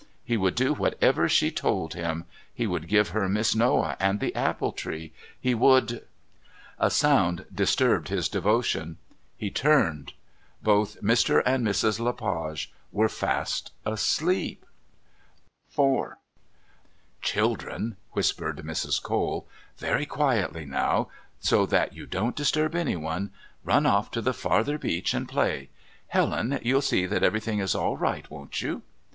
He would do whatever she told him; he would give her Miss Noah and the apple tree; he would A sound disturbed his devotions. He turned. Both Mr. and Mrs. Le Page were fast asleep. IV "Children," whispered Mrs. Cole, "very quietly now, so that you don't disturb anyone, run off to the farther beach and play. Helen, you'll see that everything is all right, won't you?"